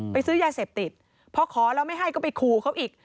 ซื้อยาเสพติดพอขอแล้วไม่ให้ก็ไปขู่เขาอีก